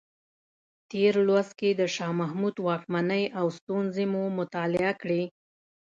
تېر لوست کې د شاه محمود واکمنۍ او ستونزې مو مطالعه کړې.